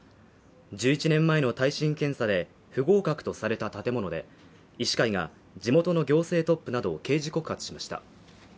１１年前の耐震検査で不合格とされた建物で、医師会が地元の行政トップなどを刑事告発しました。